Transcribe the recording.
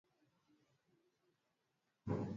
Iliyokuwa makoloni ya Uingereza na Ureno kuna